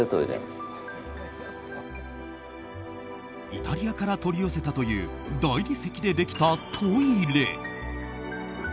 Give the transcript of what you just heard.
イタリアから取り寄せたという大理石でできたトイレ。